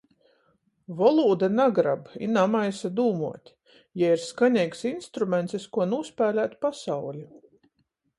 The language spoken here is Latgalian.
Volūda nagrab i namaisa dūmuot, jei ir skaneigs instruments, iz kuo nūspēlēt pasauli.